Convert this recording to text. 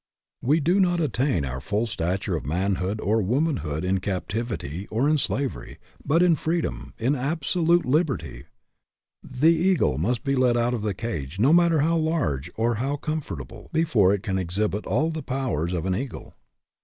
We do not attain our full stature of manhood or womanhood in captivity or in slavery, but in freedom, in absolute liberty. The eagle must be let out RESPONSIBILITY DEVELOPS 105 of the cage, no matter how large or how com fortable, before it can exhibit all the powers of an eagle.